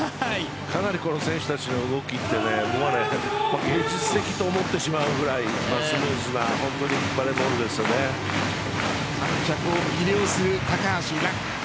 かなり選手たちの動きが芸術的と思ってしまうぐらいスムーズな観客を魅了する高橋藍。